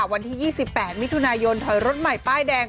วันที่๒๘มิถุนายนถอยรถใหม่ป้ายแดง